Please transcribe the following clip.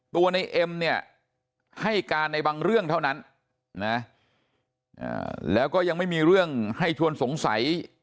ในเอ็มเนี่ยให้การในบางเรื่องเท่านั้นนะแล้วก็ยังไม่มีเรื่องให้ชวนสงสัย